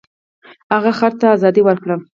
هغه خر ته ازادي ورکړه.